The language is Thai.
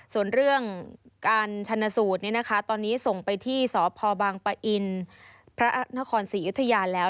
ส่วนเรื่องการชนสูตรตอนนี้ส่งไปที่สพบางปะอินพระนครศรีอยุธยาแล้ว